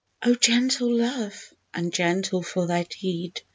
O gentle Love, ungentle for thy deed!